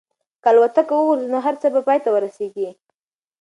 که الوتکه وغورځي نو هر څه به پای ته ورسېږي.